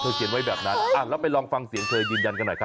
เขียนไว้แบบนั้นแล้วไปลองฟังเสียงเธอยืนยันกันหน่อยครับ